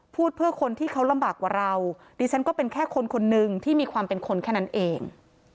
พูดเพื่อคนที่เขาลำบากกว่าเราดิฉันก็เป็นแค่คนคนนึงที่มีความเป็นคนแค่นั้นเอง